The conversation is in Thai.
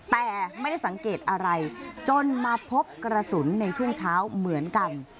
แต่ไม่ได้สังเกตอะไรจนมาพบกระสุนในช่วงเช้าเหมือนกัน